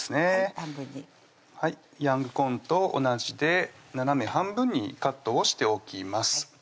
半分にヤングコーンと同じで斜め半分にカットをしておきます